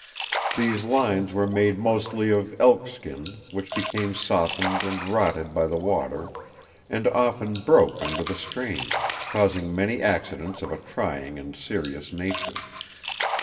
These lines were made mostly of elk skin, which became softened and rotted by the water and often broke under the strain, causing many accidents of a trying and serious nature.